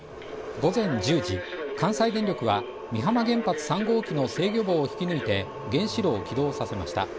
午前１０時、関西電力は美浜原発３号機の制御棒を引き抜いて原子炉を起動させました。